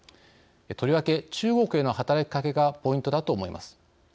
とりわけ中国への働きかけがポイントだと思います。